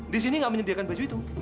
di sini nggak menyediakan baju itu